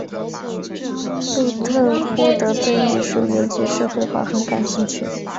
路特波德对艺术尤其是绘画很感兴趣。